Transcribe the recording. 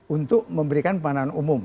untuk memberikan pemanahan umum